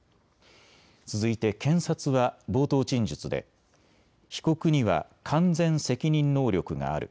続いて、検察は冒頭陳述で被告には完全責任能力がある。